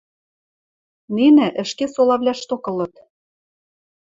Нинӹ ӹшке солавлӓшток ылыт.